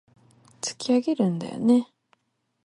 突き上げるんだよね